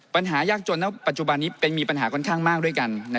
ปัญหายากจนปัจจุบันนี้มีปัญหาค่อนข้างมากด้วยกัน